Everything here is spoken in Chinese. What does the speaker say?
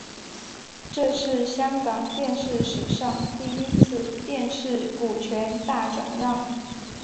这是香港电视史上第一次电视股权大转让。